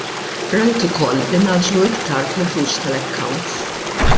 Rajt ukoll li ngħaġġlu iktar fil-ħruġ tal-accounts.